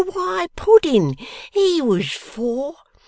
Why, pudding, HE was four!